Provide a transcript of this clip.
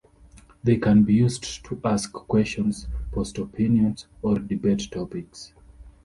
They can be used to ask questions, post opinions, or debate topics.